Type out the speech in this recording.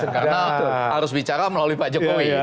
karena harus bicara melalui pak jokowi